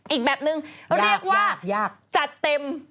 อีกแบบนึงเรียกว่าจัดเต็ม